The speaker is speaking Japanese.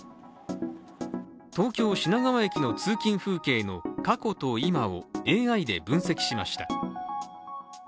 東京・品川駅の通勤風景の過去と今をＡＩで分析しました。